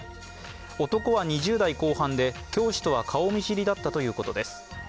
男は２０代後半で、教師とは顔見知りだったということです。